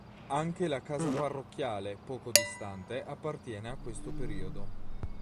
Anche la casa parrocchiale, poco distante appartiene a questo periodo.